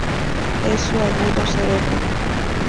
Es su agudo cerebro.